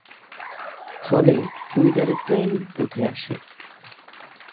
ফলে টুইটারে ট্রেন্ড উঠে আসে।